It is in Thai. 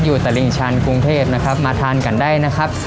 ตลิ่งชันกรุงเทพนะครับมาทานกันได้นะครับ